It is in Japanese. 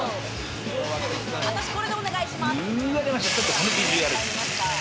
このビジュアル。